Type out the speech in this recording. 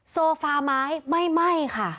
โซฟาไม้ไม่ค่ะ